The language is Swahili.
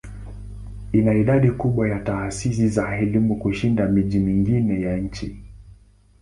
Ina idadi kubwa ya taasisi za elimu kushinda miji mingine ya nchi.